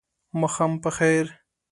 ماښام په خیر !